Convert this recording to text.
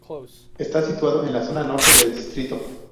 Está situado en la zona norte del distrito.